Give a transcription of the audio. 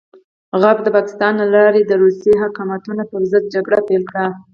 غرب د پاکستان له لارې د روسي حماقتونو پرضد جګړه پيل کړه.